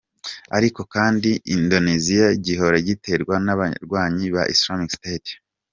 Ariko kandi, Indonesia gihora giterwa n’abagwanyi ba Islamic State.